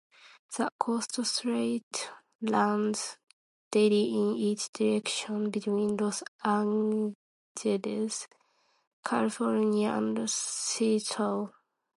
The "Coast Starlight"runs daily in each direction between Los Angeles, California and Seattle.